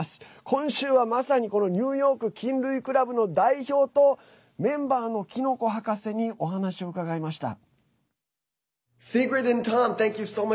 今週は、まさにこのニューヨーク菌類クラブの代表とメンバーのキノコ博士にお話を伺いました。